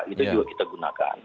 itu juga kita gunakan